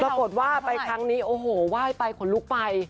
ปรากฏว่าไปครั้งนี้โอ้โหไหว้ไปขนลุกไป